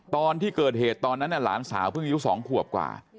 ตอนที่เกิดเหตุตอนนั้นหลานสาวเพิ่งอายุ๒ขวบกว่า